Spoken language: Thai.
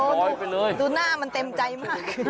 ดูหน้ามันเต็มใจมาก